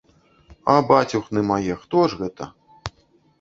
А бацюхны мае, хто ж гэта?